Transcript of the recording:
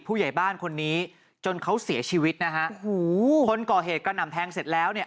ผู้ใหญ่บ้านคนนี้จนเขาเสียชีวิตนะฮะโอ้โหคนก่อเหตุกระหน่ำแทงเสร็จแล้วเนี่ย